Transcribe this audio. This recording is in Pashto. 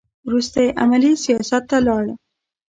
وروسته یې عملي سیاست ته لاړ.